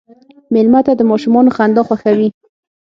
مېلمه ته د ماشومانو خندا خوښوي.